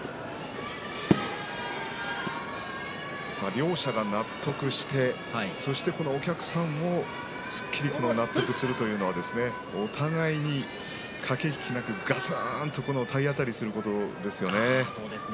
両者が納得して、お客さんもすっきり納得するというのはお互いに駆け引きなくガツンと体当たりすることですよね。